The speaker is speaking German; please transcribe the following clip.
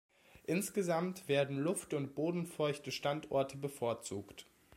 Insgesamt werden luft- und bodenfeuchte Standorte bevorzugt.